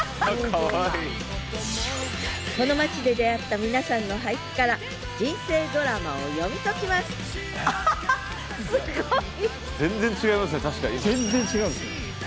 この町で出会った皆さんの俳句から人生ドラマを読み解きますハハッすごい！